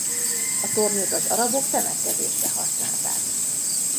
A tornyot az arabok temetkezésre használták.